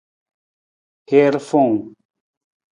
Hiir fowung.